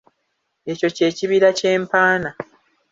Ekyo ky’ekibira kye mpaana.